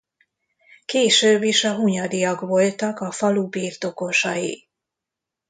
Később is a Hunyadyak voltak a falu birtokosai.